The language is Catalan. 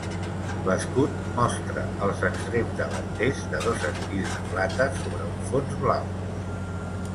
L'escut mostra els extrems davanters de dos esquís de plata sobre un fons blau.